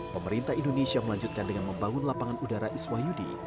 pemerintah indonesia melanjutkan dengan membangun lapangan udara iswayudi